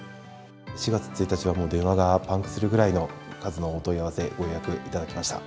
４月１日は、電話がパンクするぐらいの数のお問い合わせ、ご予約、頂きました。